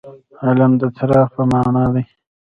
علم د څراغ په معنا دي.